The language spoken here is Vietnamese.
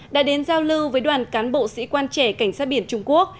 đã đến giao lưu với đoàn cán bộ sĩ quan trẻ cảnh sát biển trung quốc